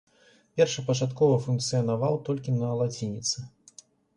Першапачаткова функцыянаваў толькі на лацініцы.